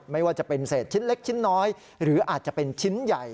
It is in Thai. ไม่ว่าจะเป็นเศษชิ้นเล็กชิ้นน้อยหรืออาจจะเป็นชิ้นใหญ่